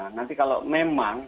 nanti kalau memang